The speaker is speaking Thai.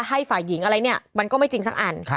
ให้ฝ่ายหญิงอะไรเนี่ยมันก็ไม่จริงสักอัน